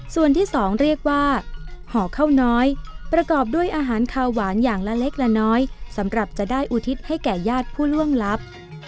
ส่วนที่สองเรียกว่าห่อข้าวน้อยประกอบด้วยอาหารขาวหวานอย่างละเล็กละน้อยสำหรับจะได้อุทิศให้แก่ญาติผู้ล่วงลับ